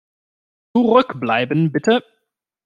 Zurückbleiben, bitte!